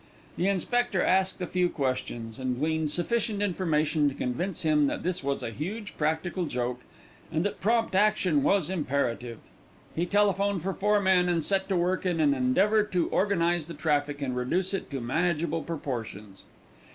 The inspector asked a few questions, and gleaned sufficient information to convince him that this was a huge practical joke, and that prompt action was imperative. He telephoned for more men and set to work in an endeavour to organise the traffic and reduce it to manageable proportions.